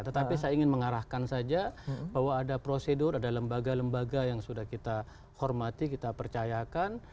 tetapi saya ingin mengarahkan saja bahwa ada prosedur ada lembaga lembaga yang sudah kita hormati kita percayakan